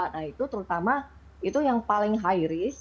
nah itu terutama itu yang paling high risk